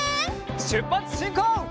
しゅっぱつしんこう！